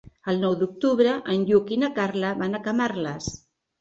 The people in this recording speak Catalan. El nou d'octubre en Lluc i na Carla van a Camarles.